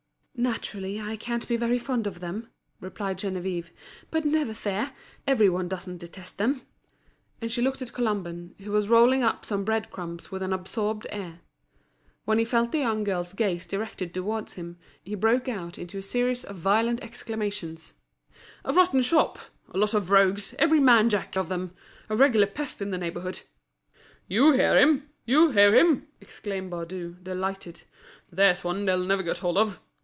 "Naturally I can't be very fond of them," replied Geneviève. "But never fear, every one doesn't detest them." And she looked at Colomban, who was rolling up some bread crumbs with an absorbed air. When he felt the young girl's gaze directed towards him, he broke out into a series of violent exclamations: "A rotten shop! A lot of rogues, every man jack of them! A regular pest in the neighbourhood!" "You hear him! You hear him!" exclaimed Baudu, delighted. "There's one they'll never get hold of!